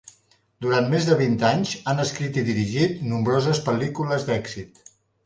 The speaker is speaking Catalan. Durant més de vint anys, han escrit i dirigit nombroses pel·lícules d'èxit.